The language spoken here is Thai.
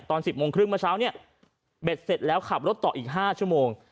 ตอน๑๐โมงครึ่งเมื่อเช้าเนี่ยเบ็ดเสร็จแล้วขับรถต่ออีก๕ชั่วโมง